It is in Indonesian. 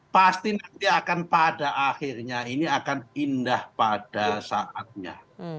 pasti nanti akan pada akhirnya ini akan indah pada saatnya